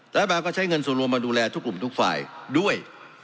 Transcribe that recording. รัฐบาลก็ใช้เงินส่วนรวมมาดูแลทุกกลุ่มทุกฝ่ายด้วย